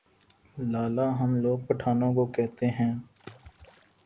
لالہ ہم لوگ پٹھانوں کو کہتے ہیں ۔